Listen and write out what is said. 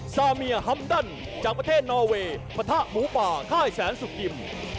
ซาเมียฮัมดันจากประเทศนอเวย์ปะทะหมูป่าค่ายแสนสุยิม